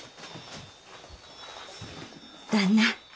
旦那